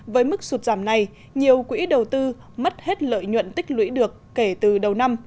với mức sụt giảm này nhiều quỹ đầu tư mất hết lợi nhuận tích lũy được kể từ đầu năm